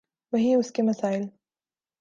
وہی اس کے مسائل۔